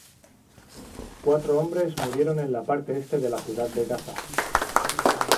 Cuatro hombres murieron en la parte este de la ciudad de Gaza.